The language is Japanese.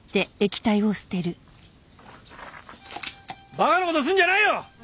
馬鹿な事をするんじゃないよ！